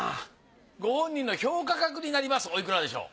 ご本人の評価額になりますおいくらでしょう？